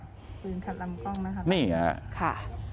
ปืนขัดลำกล้องนะครับนี่ฮะค่ะ